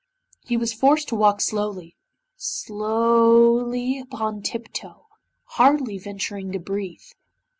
He was forced to walk slowly slowly upon tip toe, hardly venturing to breathe.